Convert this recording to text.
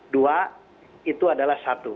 dua itu adalah satu